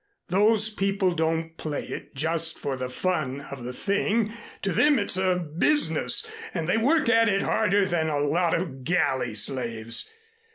Those people don't play it just for the fun of the thing to them it's a business, and they work at it harder than a lot of galley slaves.